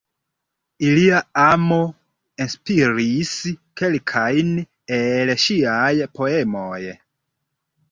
Ilia amo inspiris kelkajn el ŝiaj poemoj.